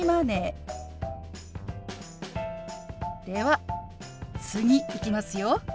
では次いきますよ。